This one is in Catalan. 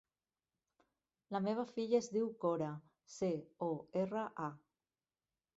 La meva filla es diu Cora: ce, o, erra, a.